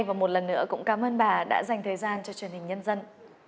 và một lần nữa cũng cảm ơn bà đã dành thời gian cho truyền hình nhân dân